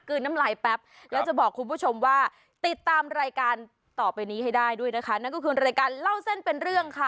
น้ำลายแป๊บแล้วจะบอกคุณผู้ชมว่าติดตามรายการต่อไปนี้ให้ได้ด้วยนะคะนั่นก็คือรายการเล่าเส้นเป็นเรื่องค่ะ